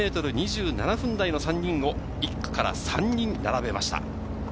１００００ｍ、２７分台の３人を１区から３人並びました。